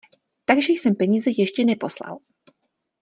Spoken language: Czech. Takže jsem peníze ještě neposlal.